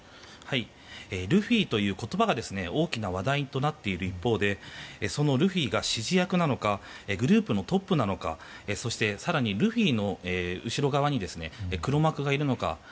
ルフィという言葉が大きな話題となっている一方でそのルフィが指示役なのかグループのトップなのかそして更にルフィの後ろ側に黒幕がいるのか。